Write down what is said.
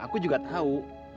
aku juga tahu